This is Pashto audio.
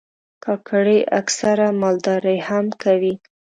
کاکړي اکثره مالداري هم کوي.